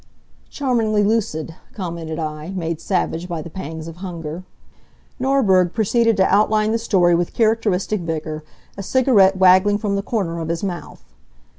"Charmingly lucid," commented I, made savage by the pangs of hunger. Norberg proceeded to outline the story with characteristic vigor, a cigarette waggling from the corner of his mouth.